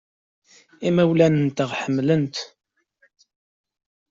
Imawlan-nteɣ ḥemmlen-t.